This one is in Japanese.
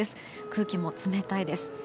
空気も冷たいです。